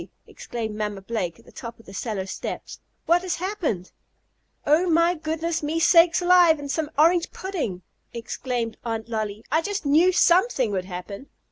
exclaimed Mamma Blake at the top of the cellar steps. "What has happened?" "Oh my goodness me sakes alive and some orange pudding!" exclaimed Aunt Lolly. "I just knew something would happen!"